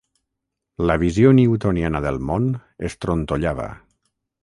La visió newtoniana del món es trontollava.